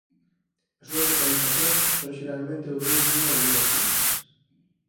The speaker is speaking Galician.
As súas vocalizacións son xeralmente ouveos dunha ou dúas sílabas.